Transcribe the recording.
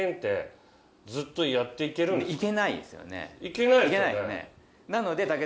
いけないですよね。